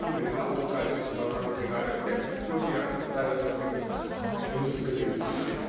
があるってロシアの大学の先生が『Ｎスペ』で言ってた。